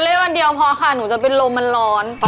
วันเดียวพอค่ะหนูจะเป็นลมมันร้อน